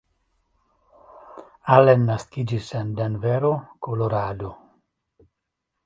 Allen naskiĝis en Denvero, Kolorado.